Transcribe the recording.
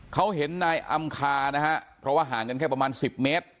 เขาเห็นนายอำคานะฮะเพราะว่าห่างกันแค่ประมาณ๑๐เมตร